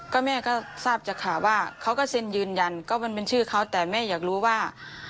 ก็แม่ก็ทราบจากข่าวว่าเขาก็เซ็นยืนยันก็มันเป็นชื่อเขาแต่แม่อยากรู้ว่า